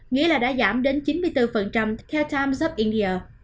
nghĩa là đã giảm đến chín mươi bốn theo times of india